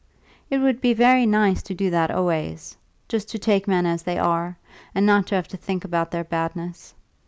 "It would be very nice to do that always just to take men as they are, and not to have to think about their badness.